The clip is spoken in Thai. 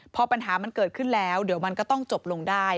พอปัญหามันเกิดขึ้นแล้วเดี๋ยวมันก็ต้องจบลงได้